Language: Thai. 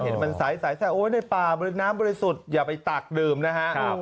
เห็นมันใสในป่าบริน้ำบริสุทธิ์อย่าไปตักดื่มนะฮะ